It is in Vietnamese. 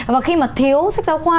và khi mà thiếu sách giáo khoa